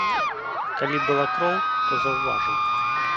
Калі б была кроў, то заўважыў.